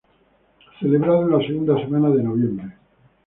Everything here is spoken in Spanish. Celebrado en la segunda semana de noviembre.